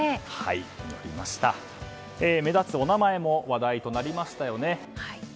目立つお名前も話題になりましたよね。